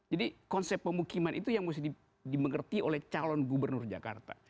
jadi konsep pemukiman itu yang harus dimengerti oleh calon gubernur jakarta